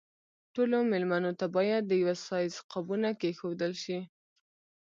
ټولو مېلمنو ته باید د یوه سایز قابونه کېښودل شي.